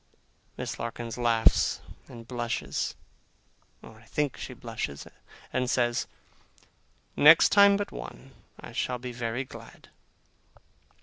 Miss Larkins laughs and blushes (or I think she blushes), and says, 'Next time but one, I shall be very glad.